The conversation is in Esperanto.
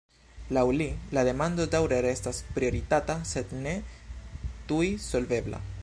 Laŭ li, la demando daŭre restas prioritata sed ne tuj solvebla.